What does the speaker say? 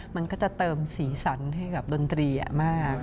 มันก็จะเติมสีสันให้กับดนตรีมาก